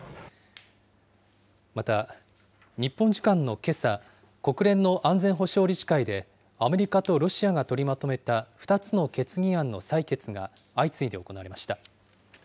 また、日本時間のけさ、国連の安全保障理事会でアメリカとロシアが取りまとめた２つの決議案の採決が相次いで行われました。